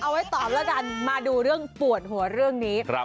ไว้ตอบแล้วกันมาดูเรื่องปวดหัวเรื่องนี้